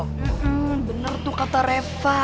hmm bener tuh kata reva